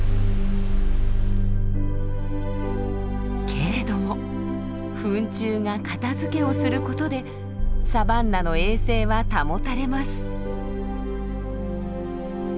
けれどもフン虫が片づけをすることでサバンナの衛生は保たれます。